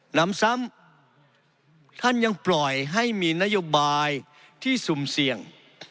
นำซ้ำท่านยังปล่อยให้มีนโยบายที่สุ่มเสี่ยง